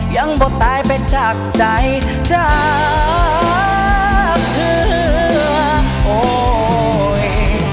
ยังบ่ตายไปจากใจจากเธอโอ้ย